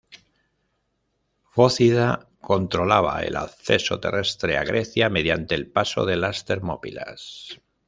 Fócida controlaba el acceso terrestre a Grecia mediante el paso de las Termópilas.